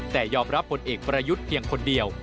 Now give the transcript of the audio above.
แต่ยอมรับผลเอกประยุทธ์เพียงคนเดียว